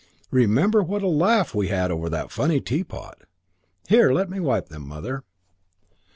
Remember what a laugh we had over that funny teapot. There, let me wipe them, Mother...."